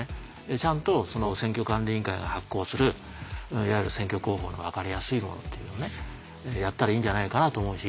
ちゃんと選挙管理委員会が発行するいわゆる選挙公報のわかりやすいものというのをやったらいいんじゃないかなと思うし。